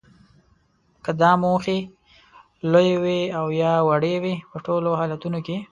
که دا موخې لویې وي او یا وړې وي په ټولو حالتونو کې